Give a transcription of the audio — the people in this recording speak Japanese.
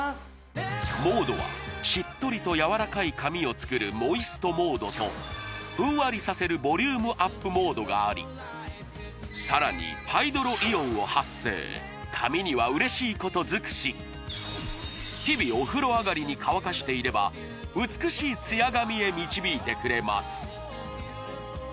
モードはしっとりとやわらかい髪を作るモイストモードとふんわりさせるボリュームアップモードがありさらにハイドロイオンを発生髪には嬉しいことづくし日々お風呂上がりに乾かしていれば美しいツヤ髪へ導いてくれます